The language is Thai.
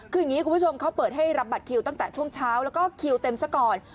คืออย่างนี้คุณผู้ชมเขาเปิดให้รับบัตรคิวตั้งแต่ช่วงเช้าแล้วก็คิวเต็มซะก่อน